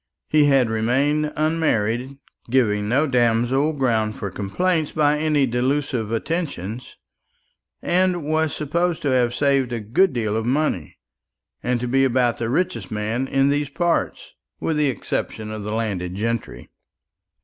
He had remained unmarried, giving no damsel ground for complaint by any delusive attentions, and was supposed to have saved a good deal of money, and to be about the richest man in those parts, with the exception of the landed gentry.